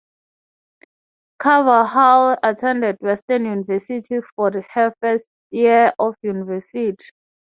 Carvalhal attended Western University for her first year of University.